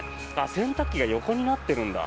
洗濯機が横になってるんだ。